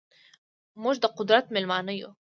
موږ ده قدرت میلمانه یو